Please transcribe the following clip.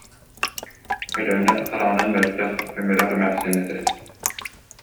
Өлөөнө хараҕынан мөлтөх, өмүрэх эмээхсин этэ